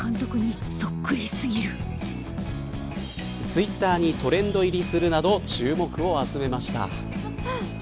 ツイッターにトレンド入りするなど注目を集めました。